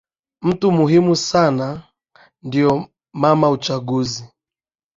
mtu muhimu sana ndio mama uchaguzi